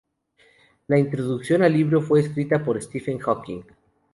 La Introducción al libro fue escrita por Stephen Hawking.